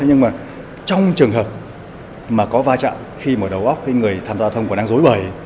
nhưng trong trường hợp mà có va chạm khi mở đầu óc người tham gia giao thông còn đang dối bời